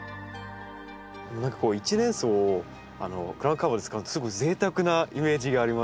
何かこう一年草をグラウンドカバーで使うのってすごい贅沢なイメージがありますね。